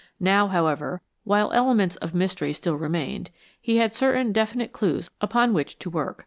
Now, however, while elements of mystery still remained, he had certain definite clues upon which to work.